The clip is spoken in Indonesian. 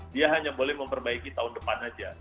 dia hanya boleh memperbaiki tahun depan saja